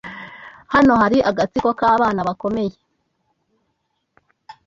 Hano hari agatsiko k'abana bakomeye.